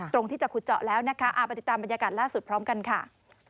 ตรงที่จะขุดเจาะแล้วนะคะไปติดตามบรรยากาศล่าสุดพร้อมกันค่ะ